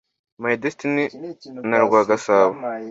My Destiny na Rwagasabo